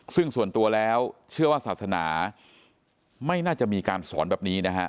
ซึ่งส่วนตัวแล้วเชื่อว่าศาสนาไม่น่าจะมีการสอนแบบนี้นะฮะ